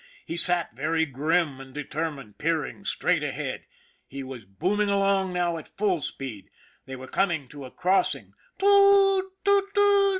He sat very grim and determined, peering straight ahead. He was booming along now at full speed. They were coming to a crossing. !e Too oo o, toot, toot!"